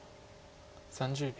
３０秒。